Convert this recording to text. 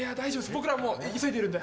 僕らもう急いでるんで。